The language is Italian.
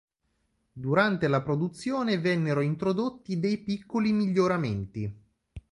Durante la produzione vennero introdotti dei piccoli miglioramenti.